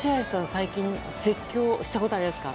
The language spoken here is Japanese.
最近絶叫したことありますか？